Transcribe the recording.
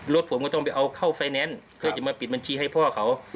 รถผมก็ต้องไปเอาเข้าไฟแนนซ์เพื่อจะมาปิดบัญชีให้พ่อเขา